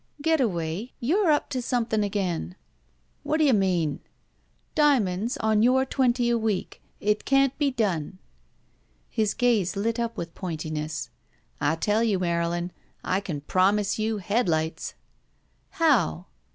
"Getaway, you're up to something again I" 'Whadda you mean?" Diamonds on your twenty a week! It can't be done." His gaze lit up with the pointiness. "I tell you, Marylin, I can promise you headUghts!" "How?"